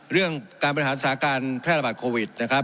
เรื่องการประหลาดสาขาแพทย์ระบาดโควิดนะครับ